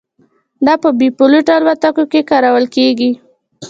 دا په بې پیلوټه الوتکو کې کارول کېږي.